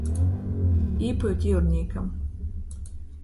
Īpyut jiurnīkam!